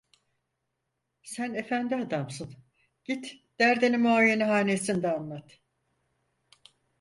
Sen efendi adamsın, git derdini muayenehanesinde anlat.